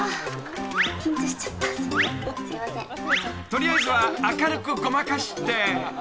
［取りあえずは明るくごまかして］